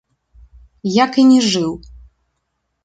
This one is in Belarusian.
Як і не жыў.